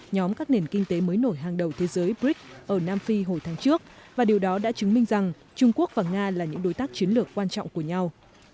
nhóm các nền kinh tế mới nổi hàng đầu thế giới brics ở nam phi hồi tháng trước và điều đó đã chứng minh rằng trung quốc và nga là những đối tác chiến lược quan trọng của nhau